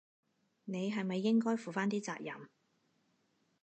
你係咪應該負返啲責任？